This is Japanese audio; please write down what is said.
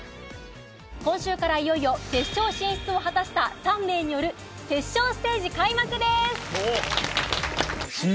今週からいよいよ決勝進出を果たした３名による決勝ステージ開幕です！